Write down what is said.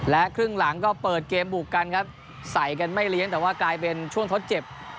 ครึ่งหลังก็เปิดเกมบุกกันครับใส่กันไม่เลี้ยงแต่ว่ากลายเป็นช่วงทดเจ็บ